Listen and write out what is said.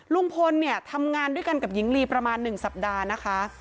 ลุงพลทำงานด้วยกันกับยิงรีประมาณหนึ่งสัปดาห์นะคะ